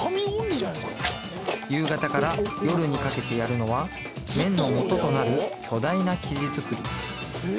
夕方から夜にかけてやるのは麺のもととなる巨大な生地作り